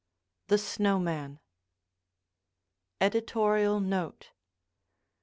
THE SNOW MAN EDITORIAL NOTE.